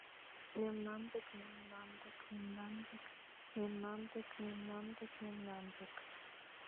— Мемнан дек — мемнан дек, мемнан дек — мемнан дек, мемнан дек — мемнан дек...